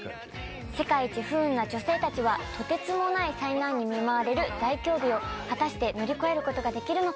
世界一不運な女性たちはとてつもない災難に見舞われる大凶日を果たして乗り越えることができるのか。